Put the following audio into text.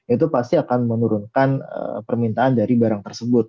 itu pasti akan menurunkan permintaan dari barang tersebut